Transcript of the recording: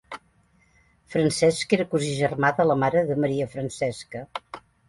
Francesc era cosí germà de la mare de Maria Francesca.